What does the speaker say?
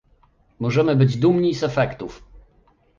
Możemy być dumni z efektów